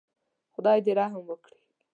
خدای دې رحم وکړي.